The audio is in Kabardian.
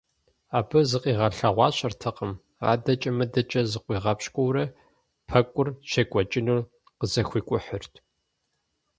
Абы зыкъигъэлъэгъуащэртэкъым – адэкӀэ-мыдэкӀэ зыкъуигъапщкӀуэурэ пэкӀур щекӀуэкӀынур къызэхикӀухьырт.